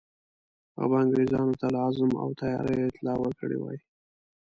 هغه به انګرېزانو ته له عزم او تیاریو اطلاع ورکړې وای.